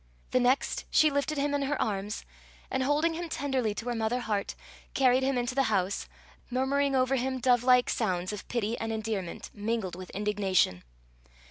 The next she lifted him in her arms, and holding him tenderly to her mother heart, carried him into the house, murmuring over him dove like sounds of pity and endearment mingled with indignation.